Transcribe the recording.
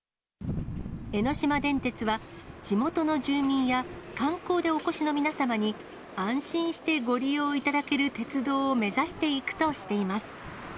江ノ島電鉄は、地元の住民や、観光でお越しの皆様に、安心してご利用いただける鉄道を目指していくとしています。